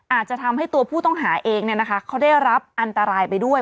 อาจจะทำให้ตัวผู้ต้องหาเองเขาได้รับอันตรายไปด้วย